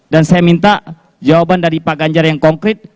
dan saya minta jawaban dari pak ganjar yang konkret